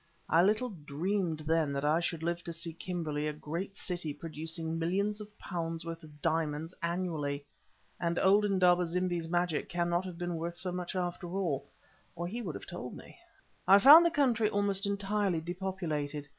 I little dreamed then that I should live to see Kimberley a great city producing millions of pounds worth of diamonds annually, and old Indaba zimbi's magic cannot have been worth so much after all, or he would have told me. I found the country almost entirely depopulated.